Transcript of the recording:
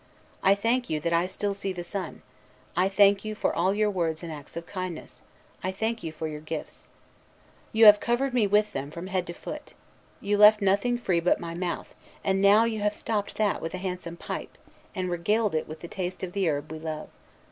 I thank you that I still see the sun; I thank you for all your words and acts of kindness; I thank you for your gifts. You have covered me with them from head to foot. You left nothing free but my mouth; and now you have stopped that with a handsome pipe, and regaled it with the taste of the herb we love.